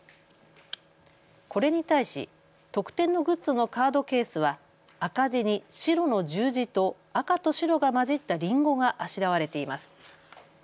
これに対し特典のグッズのカードケースは赤地に白の十字と赤と白が交じったりんごがあしらわれています。